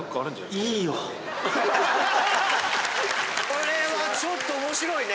これはちょっと面白いね。